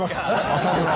朝ドラ。